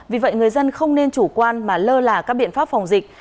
vì vậy người dân không nên chủ quan mà lơ là các biện pháp phòng dịch